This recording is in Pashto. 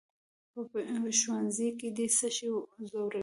"په ښوونځي کې دې څه شی ځوروي؟"